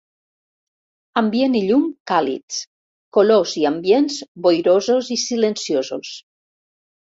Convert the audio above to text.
Ambient i llum càlids ; colors i ambients boirosos i silenciosos.